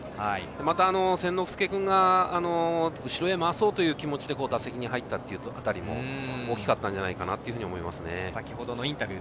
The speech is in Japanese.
また千之亮君が後ろへ回そうという気持ちで打席に入ったという辺りも大きかったんじゃないかなと思います。